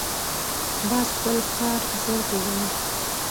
باز خپل ښکار ژر پېژني